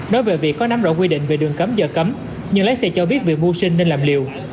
nói về việc có nắm rõ quy định về đường cấm giờ cấm nhưng lái xe cho biết việc mua sinh nên làm liều